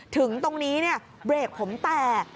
ถึงตรงนี้เบรกผมแตก